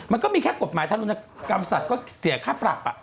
มันก็มีแค่กฎหมายทารุณกรรมสัตว์ก็เสียค่าปรับ